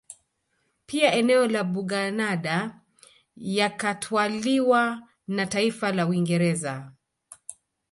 Pia eneo la Buganada yakatwaliwa na taifa la Uingereza